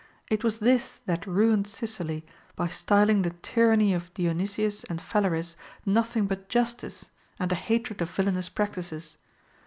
It was this that ruined Sicily, by styling the tyranny of Dionysius and Phalaris nothing but justice and a hatred of villanous practices.